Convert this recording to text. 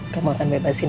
kamu akan bebasin